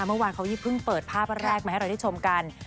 เมื่อวานเขาเพิ่งเปิดภาพแรกมาให้เราได้ชมกัน